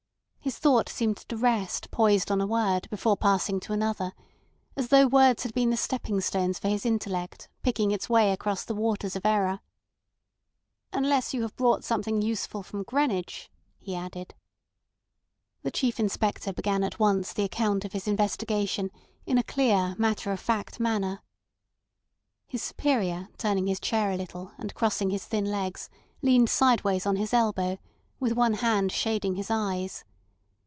His thought seemed to rest poised on a word before passing to another, as though words had been the stepping stones for his intellect picking its way across the waters of error. "Unless you have brought something useful from Greenwich," he added. The Chief Inspector began at once the account of his investigation in a clear matter of fact manner. His superior turning his chair a little, and crossing his thin legs, leaned sideways on his elbow, with one hand shading his eyes.